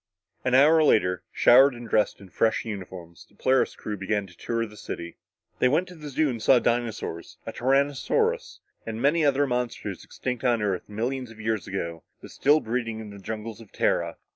An hour later, showered and dressed in fresh uniforms, the Polaris crew began a tour of the city. They went to the zoo and saw dinosaurs, a tyrannosaurus, and many other monsters extinct on Earth millions of years ago, but still breeding in the jungles of Tara.